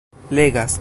legas